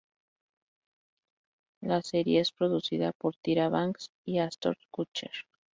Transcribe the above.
La serie es producida por Tyra Banks y Ashton Kutcher.